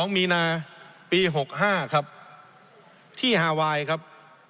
๒มีนาปี๖๕ครับที่ฮาไวน์ครับ